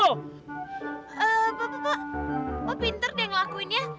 eee pak pak pak pak pinter deh ngelakuinnya